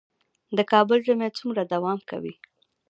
د کابل ژمی څومره دوام کوي؟